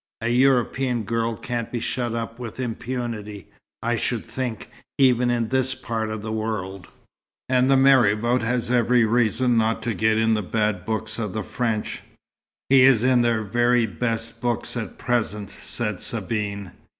A European girl can't be shut up with impunity, I should think, even in this part of the world. And the marabout has every reason not to get in the bad books of the French." "He is in their very best books at present," said Sabine.